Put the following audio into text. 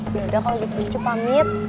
yaudah kalau gitu cu pamit